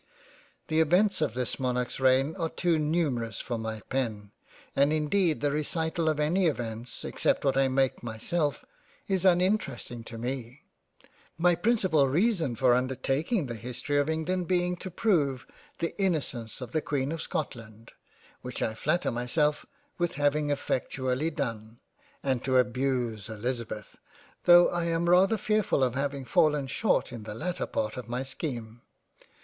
The Events of this Monarch's reign are too numer ous for my pen, and indeed the recital of any Events (except what I make myself) is uninteresting to me ; my principal reason for undertaking the History of England being to prove the innocence of the Queen of Scotland, which I flatter myself with having effectually done, and to abuse Elizabeth, tho* I am rather fearful of having fallen short in the latter part of my scheme.